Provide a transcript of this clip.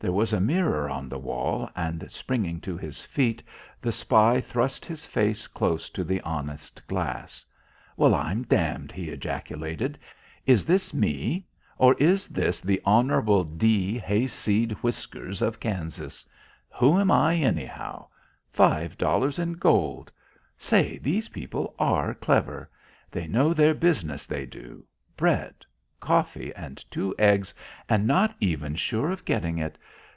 There was a mirror on the wall and, springing to his feet, the spy thrust his face close to the honest glass. "Well, I'm damned!" he ejaculated. "Is this me or is this the Honourable D. Hayseed Whiskers of Kansas? Who am I, anyhow? Five dollars in gold!... Say, these people are clever. They know their business, they do. Bread, coffee and two eggs and not even sure of getting it!